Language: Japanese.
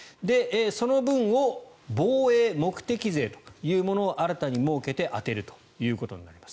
その分を防衛目的税というものを新たに設けて充てるということになります。